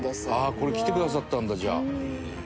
これ来てくださったんだじゃあ。